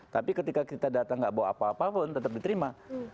tapi ketika kita datang nggak bawa apa apa pun tetap diterima